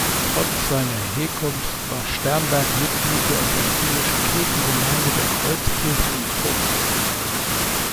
Trotz seiner Herkunft war Sternberg Mitglied der Evangelischen Kirchengemeinde der Kreuzkirche in Tokio.